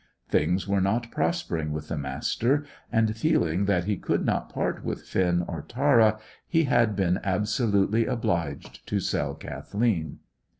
Things were not prospering with the Master, and, feeling that he could not part with Finn or Tara, he had been absolutely obliged to sell Kathleen.